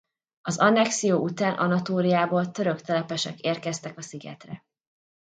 Az annexió után Anatóliából török telepesek érkezek a szigetre.